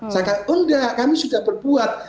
saya kata oh tidak kami sudah berbuat